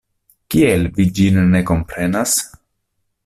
Kiel vi ĝin ne komprenas?